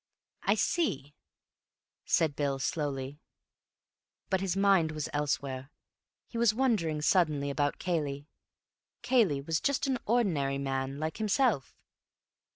"I see," said Bill slowly. But his mind was elsewhere. He was wondering suddenly about Cayley. Cayley was just an ordinary man—like himself.